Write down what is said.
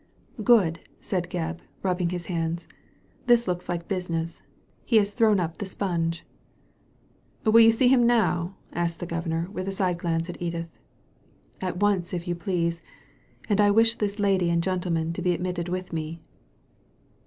" Good I " said Gebb, rubbing his hands. "This looks like business ; he has thrown up the sponge. "Will you see him now?" asked the Governor, with a side glance at Edith. '' At once, if you please ; and I wish this lady and gentleman to be admitted with me."